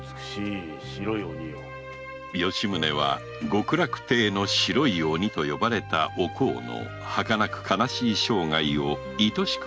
吉宗は「極楽亭の白い鬼」と呼ばれたお幸のはかなく悲しい生涯がいとしく思われてならなかった